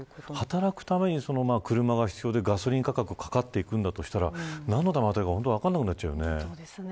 働くために車が必要でガソリン価格がかかっていくんだとしたら何のためか分からなくなっちゃいますよね。